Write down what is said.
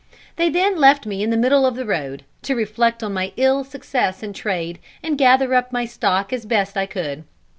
They then left me in the middle of the road, to reflect on my ill success in trade, and gather up my stock as I best could.